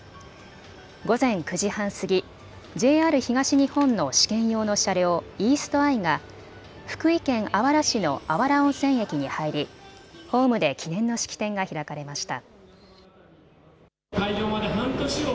午前９時半過ぎ、ＪＲ東日本の試験用の車両、イースト・アイが福井県あわら市の芦原温泉駅に入り、ホームで記念の式典が開かれました。